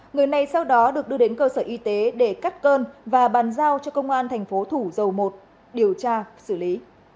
người này sau đó được đưa đến cơ sở y tế để cắt cơn và bàn giao cho công an thành phố thủ dầu một điều tra xử lý